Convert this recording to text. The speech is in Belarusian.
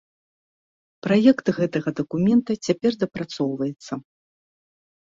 Праект гэтага дакумента цяпер дапрацоўваецца.